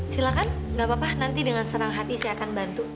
silahkan gak apa apa nanti dengan serang hati saya akan bantu